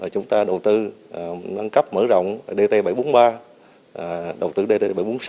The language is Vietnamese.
chúng ta đầu tư nâng cấp mở rộng dt bảy trăm bốn mươi ba đầu tư dt bảy trăm bốn mươi sáu bảy trăm bốn mươi bảy